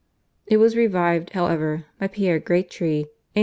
It was revived, however, by Pere Gratry in 1852.